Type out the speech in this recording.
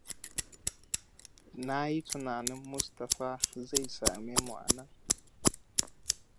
Na yi tunanin Mustapha zai same mu anan.